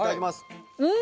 うん！